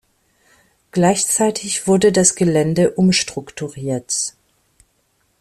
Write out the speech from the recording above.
Gleichzeitig wurde das Gelände umstrukturiert.